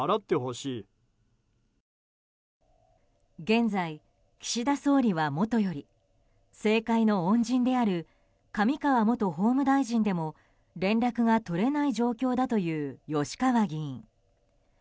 現在、岸田総理はもとより政界の恩人である上川元法務大臣でも連絡が取れない状況だという吉川議員。